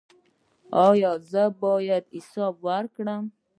ایا زه باید حساب وکړم؟